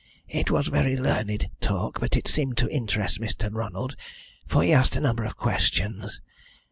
It was very learned talk, but it seemed to interest Mr. Ronald, for he asked a number of questions.